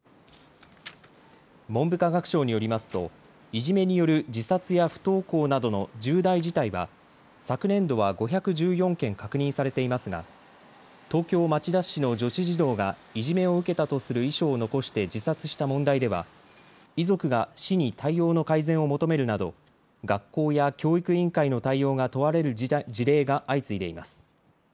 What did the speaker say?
文部科学省によりますといじめによる自殺や不登校などの重大事態は昨年度は５１４件確認されていますが東京町田市の女子児童がいじめを受けたとする遺書を残して自殺した問題では遺族が市に対応の改善を求めるなど学校や教育委員会の対応が問われる事例が相次いでいます。